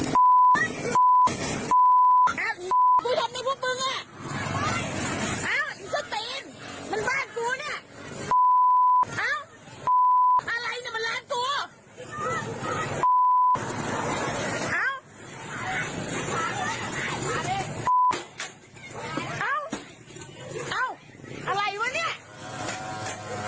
กูทำมันผู้ปืนอ่ะอ้าวอย่าตีนมันบ้าจูเนี้ย